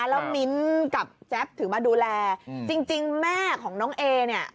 แล้วมิ้นกับแจ๊บถึงมาดูแลจริงแม่ของน้องเอเนี่ย